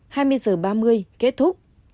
hai mươi h ba mươi kết thúc